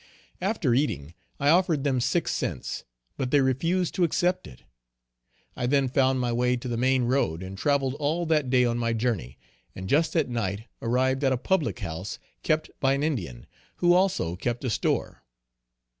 After eating, I offered them six cents, but they refused to accept it. I then found my way to the main road, and traveled all that day on my journey, and just at night arrived at a public house kept by an Indian, who also kept a store.